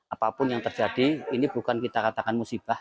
apapun yang terjadi ini bukan kita katakan musibah